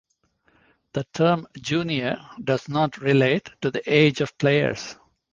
The term "junior" does not relate to the age of players.